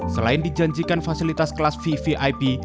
selain dijanjikan fasilitas kelas vvip